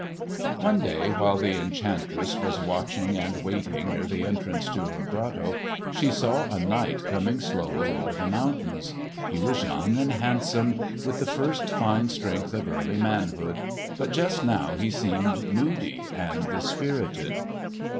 One day while this enchantress was watching and waiting near the entrance to her grotto she saw a knight coming slowly over the mountains. He was young and handsome, with the first fine strength of early manhood, but just now he seemed moody and dispirited.